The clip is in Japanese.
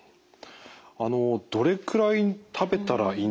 あのどれくらい食べたらいいんでしょうか？